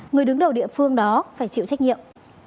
người đứng đầu địa phương đó phải chịu trách nhiệm